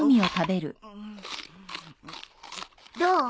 どう？